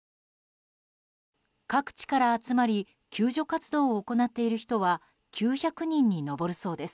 各地から集まり救助活動を行っている人は９００人に上るそうです。